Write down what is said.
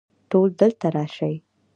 ټول دلته راشئ